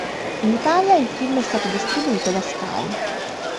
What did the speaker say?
In Italia il film è stato distribuito da Sky.